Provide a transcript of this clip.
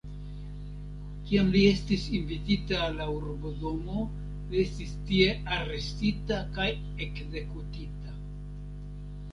Kiam li estis invitita al la urbodomo, li estis tie arestita kaj ekzekutita.